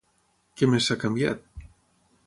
Què més s'ha canviat?